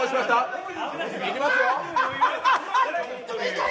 いきますよ。